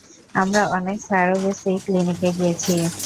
আমরা অনেক সারোগেসি ক্লিনিকে গিয়েছি।